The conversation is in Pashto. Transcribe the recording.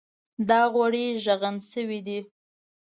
دا غوړي ږغن شوي دي.